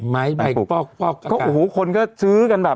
ไม้ไบ้ป้อกก็โอ้โหคนก็ซื้อกันแบบ